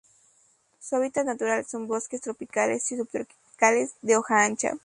Su hábitat natural son: bosques tropicales y subtropicales de hoja ancha.